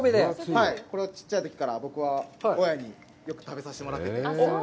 はい、これはちっちゃいときから僕は親によく食べさせてもらってて。